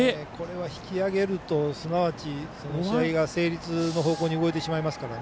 引き揚げるとすなわちこの試合が成立の方向に動いてしまいますからね。